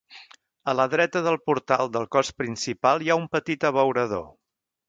A la dreta del portal del cos principal hi ha un petit abeurador.